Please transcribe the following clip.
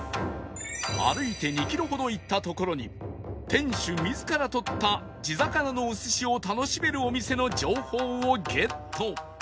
歩いて２キロほど行った所に店主自ら取った地魚のお寿司を楽しめるお店の情報をゲット